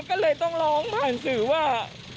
ก็เลยต้องร้องผ่านสื่อว่า